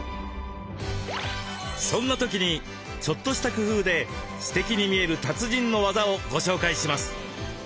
そんな時にちょっとした工夫ですてきに見える達人のワザをご紹介します。